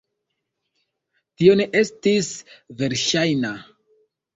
Tio ne estis verŝajna.